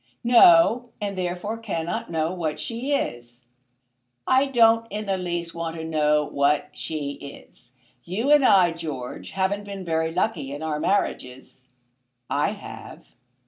"No; and therefore cannot know what she is." "I don't in the least want to know what she is. You and I, George, haven't been very lucky in our marriages." "I have."